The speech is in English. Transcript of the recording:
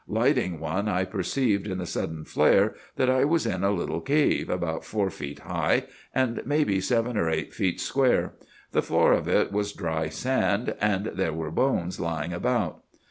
Lighting one, I perceived in the sudden flare that I was in a little cave, about four feet high, and maybe seven or eight feet square. The floor of it was dry sand, and there were bones lying about.